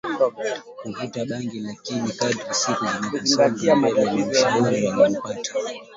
kuvuta bangi lakini kadri siku zilivyosonga mbele na ushauri aliopata